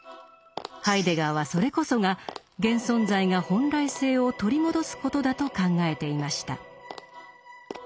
ハイデガーはそれこそが現存在が本来性を取り戻すことだと考えていました。